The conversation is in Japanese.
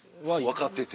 分かってて。